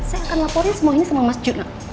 saya akan laporin semua ini sama mas junak